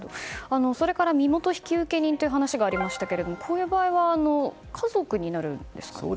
それから身元引受人という話がありましたけれどもこういう場合は家族になるんですか？